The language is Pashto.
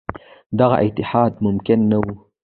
دغه اتحاد ممکن نه وو.